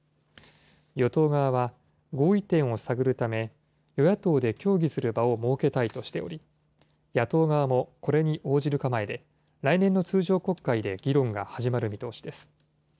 与党側は、合意点を探るため、与野党で協議する場を設けたいとしており、野党側もこれに応じる構えで、来年の通常国会で議論が始まる見通しです。